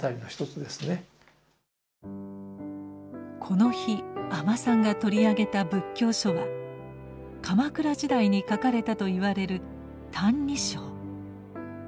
この日阿満さんが取り上げた仏教書は鎌倉時代に書かれたといわれる「歎異抄」。